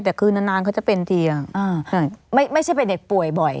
แต่คือนานนานเขาจะเป็นทีอ่ะอ่าใช่ไม่ไม่ใช่เป็นเด็กป่วยบ่อย